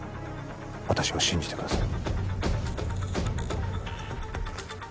私を信じてください